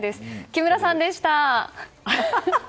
木村さんでした。